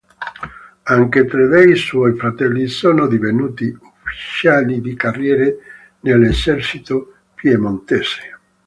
Anche tre dei suoi fratelli sono divenuti ufficiali di carriera nell'esercito piemontese.